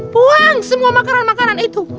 buang semua makanan makanan itu